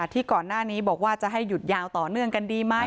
ที่ก่อนหน้านี้บอกว่าจะให้หยุดยาวต่อเนื่องกันดีไหม